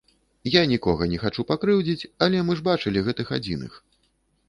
Я нікога не хачу пакрыўдзіць, але мы ж бачылі гэтых адзіных.